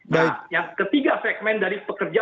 nah yang ketiga segmen dari pekerja